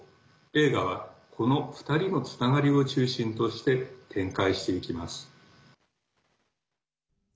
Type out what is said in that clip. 映画は、この２人のつながりを中心として展開していきます。